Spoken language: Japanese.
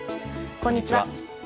こんにちは。